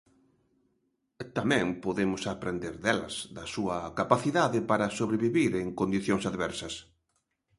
Tamén podemos aprender delas, da súa capacidade para sobrevivir en condicións adversas.